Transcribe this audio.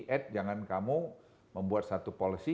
at jangan kamu membuat satu policy